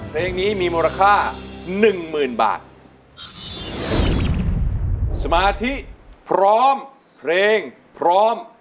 เพลงนี้มีมูลค่าหนึ่งหมื่นบาทสมาธิพร้อมเพลงพร้อม